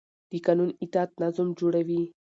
د قانون اطاعت نظم جوړوي